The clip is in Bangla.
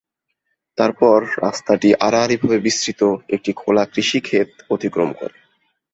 তারপর রাস্তাটি আড়াআড়ি ভাবে বিস্তৃত একটি খোলা কৃষি ক্ষেত অতিক্রম করে।